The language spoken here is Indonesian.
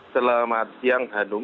selamat siang hanum